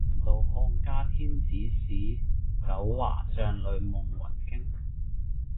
聞道漢家天子使，九華帳里夢魂驚。